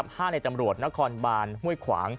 ห้ายในจำรวจนครบานฮ่วยขวาง